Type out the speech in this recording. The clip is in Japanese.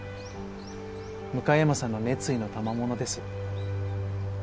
向山さんの熱意のたまものです。